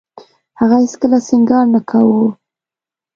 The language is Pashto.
هغې هېڅ کله سينګار نه کاوه.